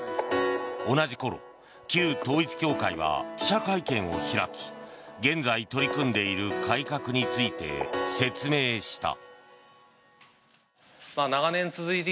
同じころ旧統一教会は記者会見を開き現在、取り組んでいる改革について説明した。